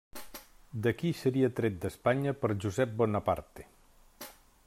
D'aquí seria tret d'Espanya per Josep Bonaparte.